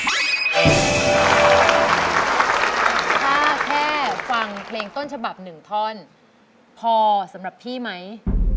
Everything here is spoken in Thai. ถ้าแค่ฟังเพลงต้นฉบับหนึ่งท่อนพอสำหรับพี่ไหม